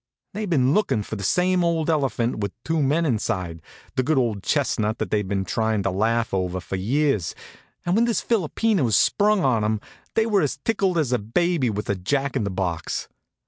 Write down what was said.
They'd been lookin' for the same old elephant with two men inside, the good old chestnut that they'd been tryin' to laugh over for years, and when this philopena was sprung on 'em they were as tickled as a baby with a jack in the box.